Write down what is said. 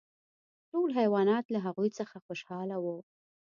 ټول حیوانات له هغوی څخه خوشحاله وو.